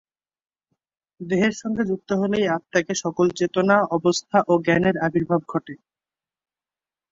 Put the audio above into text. দেহের সঙ্গে যুক্ত হলেই আত্মাকে সকল চেতনা অবস্থা ও জ্ঞানের আবির্ভাব ঘটে।